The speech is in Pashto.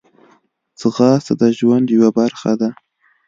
ځغاسته د ژوند یوه برخه ده